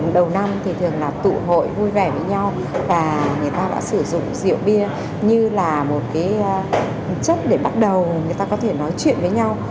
đầu năm thì thường là tụ hội vui vẻ với nhau và người ta đã sử dụng rượu bia như là một cái chất để bắt đầu người ta có thể nói chuyện với nhau